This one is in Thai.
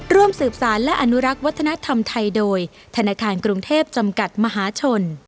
ร่วมสืบสารและอนุรักษ์วัฒนธรรมไทยโดยธนาคารกรุงเทพจำกัดมหาชน